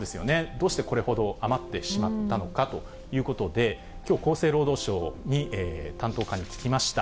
どうしてこれほど余ってしまったのかということで、きょう、厚生労働省に担当課に聞きました。